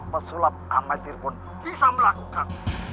pesulap amatir pun bisa melakukan